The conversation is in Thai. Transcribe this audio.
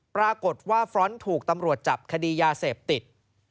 ปรากฏว่าฟรอนต์ถูกตำรวจจับคดียาเสพติด